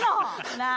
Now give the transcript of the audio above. なあ。